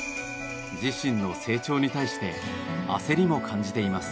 自身の成長に対して焦りも感じています。